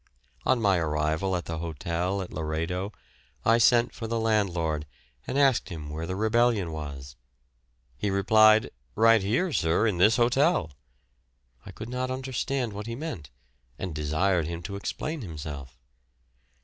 On my arrival at the hotel at Laredo, I sent for the landlord and asked him where the rebellion was. He replied, "Right here, sir, in this hotel." I could not understand what he meant, and desired him to explain himself.